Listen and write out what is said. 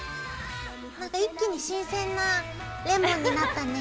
なんか一気に新鮮なレモンになったね。